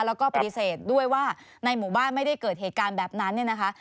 แล้วก็ปฏิเสธด้วยว่าในหมู่บ้านไม่ได้เกิดเหตุการณ์แบบนั้นเนี่ยนะคะ